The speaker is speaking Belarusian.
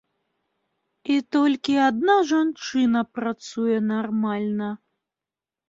І толькі адна жанчына працуе нармальна.